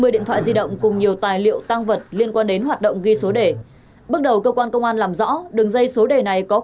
hai mươi điện thoại di động cùng nhiều tài liệu tăng vật liên quan đến hoạt động ghi số đề